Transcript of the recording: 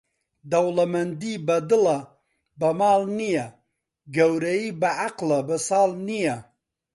دەوڵەمەندی بەدڵە بە ماڵ نییە، گەورەیی بە عەقڵە بە ساڵ نییە.